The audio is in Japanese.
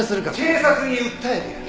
警察に訴えてやる。